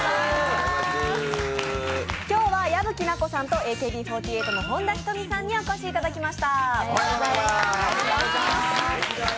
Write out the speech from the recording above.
今日は矢吹奈子さんとＡＫＢ４８の本田仁美さんにお越しいただきました。